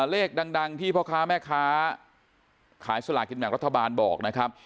เลขดังที่พ่อค้าแม่ค้าขายสลากินแบ่งรัฐบาลบอกนะครับ